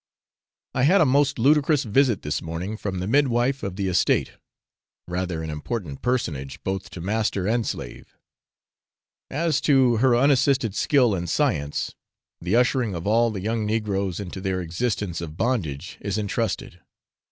I had a most ludicrous visit this morning from the midwife of the estate rather an important personage both to master and slave, as to her unassisted skill and science the ushering of all the young negroes into their existence of bondage is entrusted.